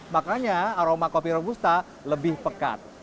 maknanya aroma kopi robusta lebih pekat